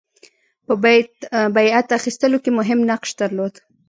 په بیعت اخیستلو کې مهم نقش درلود.